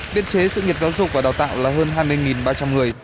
biên chế sự nghiệp giáo dục và đào tạo là hơn hai mươi ba trăm linh người